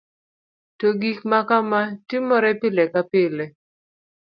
to gik makama timore pile ka pile